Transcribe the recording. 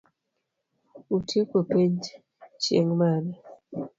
Utieko penj chieng' mane?